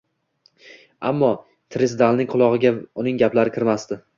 Ammo Trisdalning qulog`iga uning gaplari kirmasdi